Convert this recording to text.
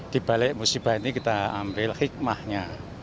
di balik musibah ini kita ambil hikmahnya